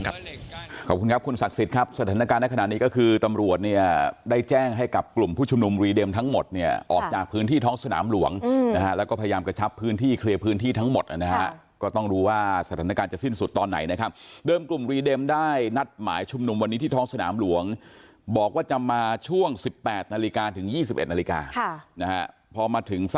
ขอบคุณครับคุณศักดิ์สิทธิ์ครับสถานการณ์ในขณะนี้ก็คือตำรวจเนี่ยได้แจ้งให้กับกลุ่มผู้ชุมนุมรีเด็มทั้งหมดเนี่ยออกจากพื้นที่ท้องสนามหลวงนะฮะแล้วก็พยายามกระชับพื้นที่เคลียร์พื้นที่ทั้งหมดนะฮะก็ต้องดูว่าสถานการณ์จะสิ้นสุดตอนไหนนะครับเดิมกลุ่มรีเด็มได้นัดหมายชุมนุมวันนี้ที่ท้องสนามหลวงบอกว่าจะมาช่วง๑๘นาฬิกาถึง๒๑นาฬิกาค่ะนะฮะพอมาถึงส